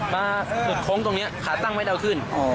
มาหลุดโค้งตรงนี้ขาตั้งไม่ได้เอาขึ้น